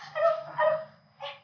aduh aduh eh ya bun